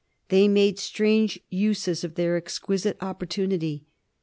They made strange uses of their exquisite opportunity.